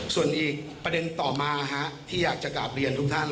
ส่วนอีกประเด็นต่อมาที่อยากจะกลับเรียนทุกท่าน